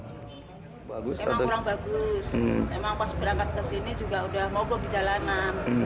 memang orang bagus memang pas berangkat ke sini juga udah mogok di jalanan